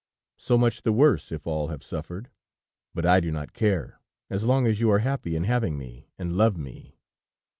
So much the worse if all have suffered. But I do not care as long as you are happy in having me, and love me!"